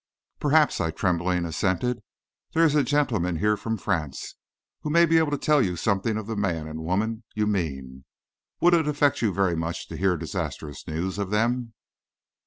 "Perhaps," I tremblingly assented. "There is a gentleman here from France who may be able to tell you something of the man and the woman you mean. Would it affect you very much to hear disastrous news of them?"